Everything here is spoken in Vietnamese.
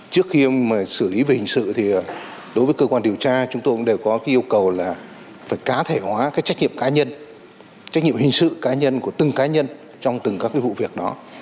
trước khi xử lý về hình sự thì đối với cơ quan điều tra chúng tôi cũng đều có cái yêu cầu là phải cá thể hóa cái trách nhiệm cá nhân trách nhiệm hình sự cá nhân của từng cá nhân trong từng các cái vụ việc đó